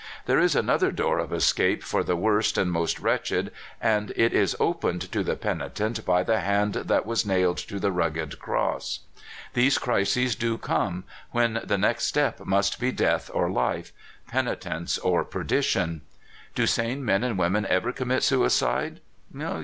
There is another door of escape for the worst and most wretched, and it is opened to the penitent by the hand that was nailed to the rugged cross. These crises do come, when the next step must be death or life, penitence or perdition. Do sane men and women ever commit suicide?